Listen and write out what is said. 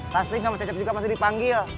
taslim sama cecep juga masih dipanggil